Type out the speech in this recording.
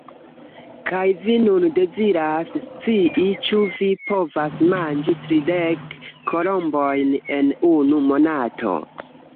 Kaj vi nun deziras scii ĉu vi povas manĝi tridek kolombojn en unu monato?